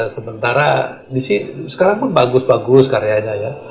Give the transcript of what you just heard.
sementara sekarang pun bagus bagus karyanya ya